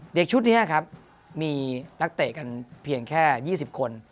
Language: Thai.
เด็กชุดนี้ครับมีนักเตะกันเพียงแค่๒๐คน